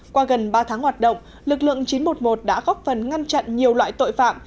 qua gần ba tháng hoạt động lực lượng chín trăm một mươi một đã góp phần ngăn chặn nhiều loại tội phạm